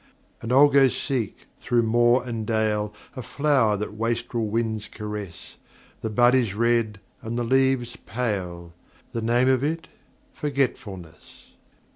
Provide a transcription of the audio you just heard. And I'll go seek through moor and dale A flower that wastrel winds caress ; The bud is red and the leaves pale, The name of it Forgetfulness.